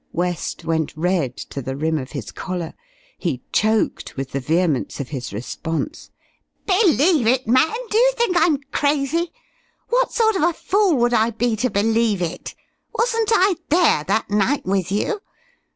West went red to the rim of his collar. He choked with the vehemence of his response. "Believe it, man? D'you think I'm crazy? What sort of a fool would I be to believe it? Wasn't I there, that night, with you?